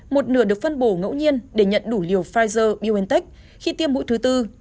một nửa được phân bổ ngẫu nhiên để nhận đủ liều pfizer untec khi tiêm mũi thứ tư